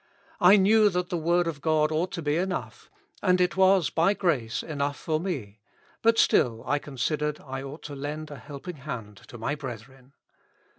I knew that the word of God ought to be enough, and it was by grace enough for me ; but still I considered I ought to lend a helping hand to my brethren.